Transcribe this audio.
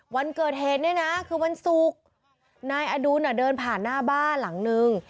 วันเกิดเหตุเนี่ยนะคือวันศุกร์นายอดุลเดินผ่านหน้าบ้านหลังนึง